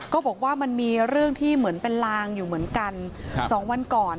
ก็บอกว่ามันมีเรื่องที่เหมือนเป็นลางอยู่เหมือนกัน๒วันก่อน